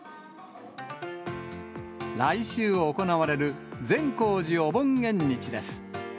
来週行われる善光寺お盆縁日です。